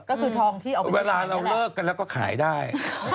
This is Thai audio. ก็คือทองที่เอาไปต่อไปกันแหละแล้วก็ขายได้